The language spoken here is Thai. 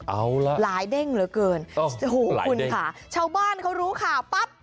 เอาล่ะหลายเด้งเหลือเกินโอ้โหคุณค่ะชาวบ้านเขารู้ข่าวปั๊บ